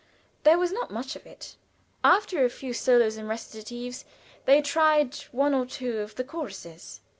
There was not much of it. After a few solos and recitatives, they tried one or two of the choruses.